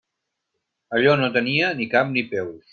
Allò no tenia ni cap ni peus.